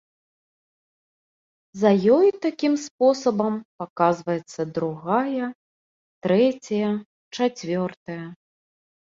За ёй такім спосабам паказваецца другая, трэцяя, чацвёртая.